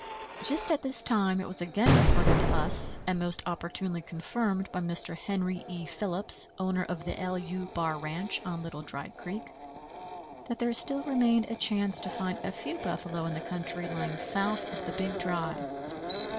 Just at this time it was again reported to us, and most opportunely confirmed by Mr. Henry E. Phillips, owner of the =LU= bar ranch on Little Dry Creek, that there still remained a chance to find a few buffalo in the country lying south of the Big Dry.